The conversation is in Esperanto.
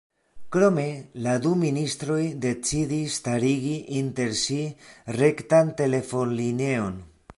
Krome la du ministroj decidis starigi inter si rektan telefonlineon.